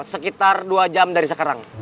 sekitar dua jam dari sekarang